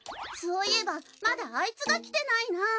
そういえばまだアイツが来てないな。